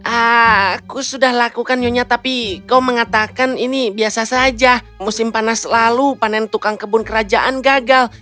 aku sudah lakukan nyonya tapi kau mengatakan ini biasa saja musim panas lalu panen tukang kebun kerajaan gagal